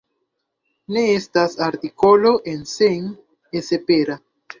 Ne estas artikolo en Sen:esepera.